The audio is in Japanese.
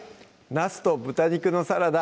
「なすと豚肉のサラダ」